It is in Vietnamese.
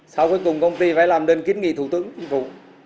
sau cuối cùng công ty phải làm đơn kiến nghị thủ tướng chính phủ